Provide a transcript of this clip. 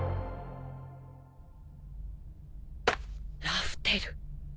ラフテル。